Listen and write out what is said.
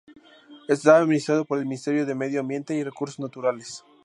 Está administrado por el Ministerio de Medio Ambiente y Recursos Naturales.